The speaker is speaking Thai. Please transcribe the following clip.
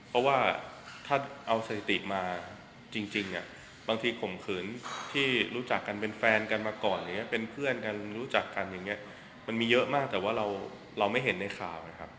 เพราะว่าถ้าเอาสถิติมาจริงบางทีข่มขืนที่รู้จักกันเป็นแฟนกันมาก่อนอย่างนี้เป็นเพื่อนกันรู้จักกันอย่างนี้มันมีเยอะมากแต่ว่าเราไม่เห็นในข่าวนะครับ